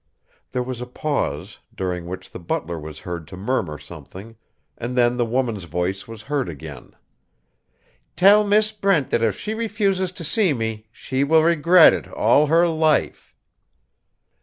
There was a pause, during which the butler was heard to murmur something, and then the woman's voice was heard again. "Tell Miss Brent that if she refuses to see me she will regret it all her life."